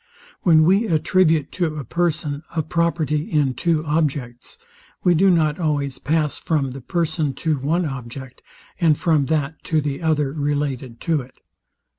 When we attribute to a person a property in two objects, we do not always pass from the person to one object, and from that to the other related to it.